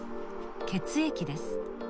血液です。